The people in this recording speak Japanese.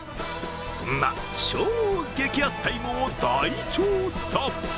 そんな超激安タイムを大調査。